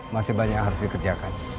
masih banyak yang harus dikerjakan